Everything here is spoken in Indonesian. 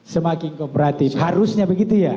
semakin kooperatif harusnya begitu ya